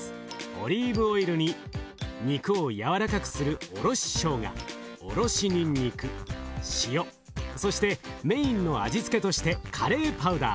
オリーブオイルに肉をやわらかくするおろししょうがおろしにんにく塩そしてメインの味付けとしてカレーパウダー。